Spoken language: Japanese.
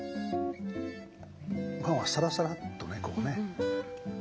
ごはんをサラサラッとねこうね。